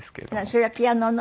それはピアノの？